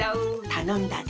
たのんだで。